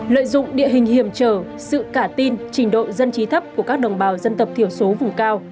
lợi dụng địa hình hiểm trở sự cả tin trình độ dân trí thấp của các đồng bào dân tộc thiểu số vùng cao